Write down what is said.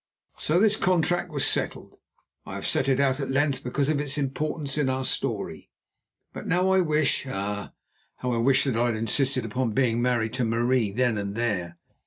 So this contract was settled. I have set it out at length because of its importance in our story. But now I wish—ah! how I wish that I had insisted upon being married to Marie then and there.